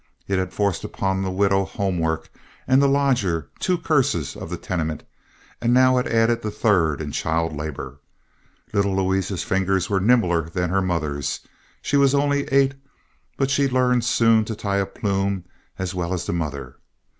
It had forced upon the widow home work and the lodger, two curses of the tenement, and now it added the third in child labor. Little Louisa's fingers were nimbler than her mother's. She was only eight, but she learned soon to tie a plume as well as the mother.